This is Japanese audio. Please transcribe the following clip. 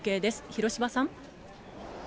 広芝さん。